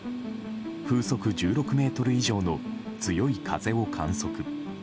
風速１６メートル以上の強い風を観測。